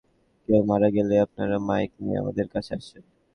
কেউ মারা গেলেই আপনারা মাইক নিয়ে আমাদের কাছে আসেন।